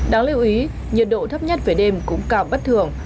đáng lưu ý nhiệt độ thấp nhất về đêm cũng cao bất thường